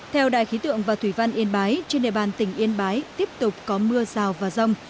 theo đài khí tượng và thủy văn yên bái trên đề bàn tỉnh yên bái tiếp tục có mưa rào và rông